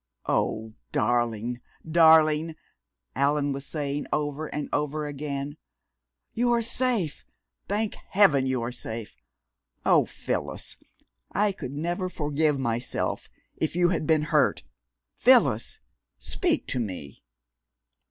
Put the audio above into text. "Oh, darling, darling!" Allan was saying over and over again. "You are safe thank heaven you are safe! Oh, Phyllis, I could never forgive myself if you had been hurt! Phyllis! Speak to me!"